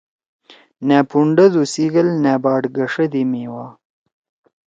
نأپھونڈہ دو سیِگل نأ باڑ گݜہ دی میوا